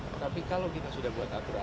tetapi kalau kita sudah buat aturan